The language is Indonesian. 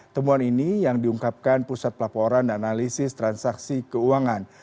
temuan ini yang diungkapkan pusat pelaporan dan analisis transaksi keuangan